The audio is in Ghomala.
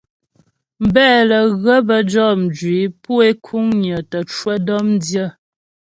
Mbɛ lə́ ghə bə́ jɔ mjwǐ pu é kuŋnyə tə cwə dɔ̌mdyə.